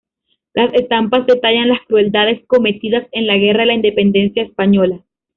Las estampas detallan las crueldades cometidas en la Guerra de la Independencia Española.